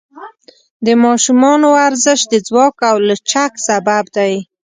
د ماشومانو ورزش د ځواک او لچک سبب دی.